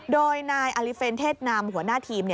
โดยนายอลิเฟนเทศนำหัวหน้าทีม